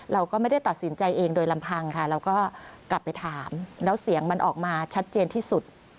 เราก็ไม่ได้ตัดสินใจเองโดยลำพังค่ะเราก็กลับไปถามแล้วเสียงมันออกมาชัดเจนที่สุด